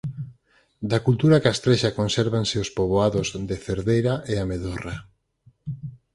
Da cultura castrexa consérvanse os poboados de Cerdeira e A Medorra.